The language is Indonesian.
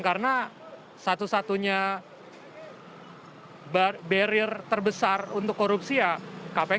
karena satu satunya barier terbesar untuk korupsi ya kpk